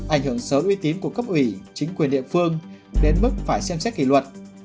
ảnh hưởng xấu uy tín của cấp ủy chính quyền địa phương đến mức phải xem xét kỷ luật